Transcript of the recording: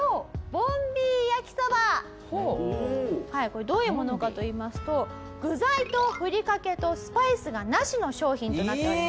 これどういうものかといいますと具材とふりかけとスパイスがなしの商品となっております。